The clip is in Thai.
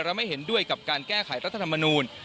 และไม่เห็นด้วยกับการแก้ไขรัฐธรรมนูล